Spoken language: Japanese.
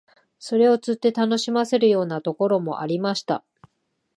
それを釣って楽しませるようなところもありました